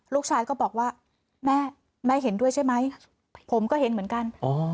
ลูกชายก็บอกว่าแม่แม่เห็นด้วยใช่ไหมผมก็เห็นเหมือนกัน